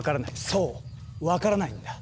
そう分からないんだ。